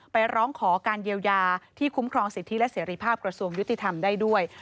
ร้องขอการเยียวยาที่คุ้มครองสิทธิและเสรีภาพกระทรวงยุติธรรมได้ด้วย